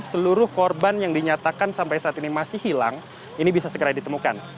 seluruh korban yang dinyatakan sampai saat ini masih hilang ini bisa segera ditemukan